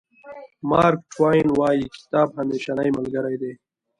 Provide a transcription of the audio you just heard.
مارک ټواین وایي کتاب همېشنۍ ملګری دی.